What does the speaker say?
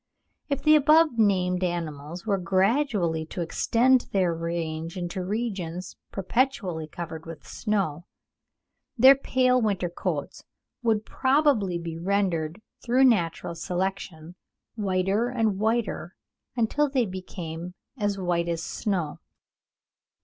If the above named animals were gradually to extend their range into regions perpetually covered with snow, their pale winter coats would probably be rendered through natural selection, whiter and whiter, until they became as white as snow.